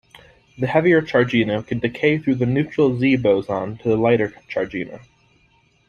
The heavier chargino can decay through the neutral Z boson to the lighter chargino.